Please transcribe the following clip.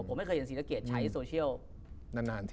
ผมไม่เคยเห็นศรีสักเกรดใช้โซเชียล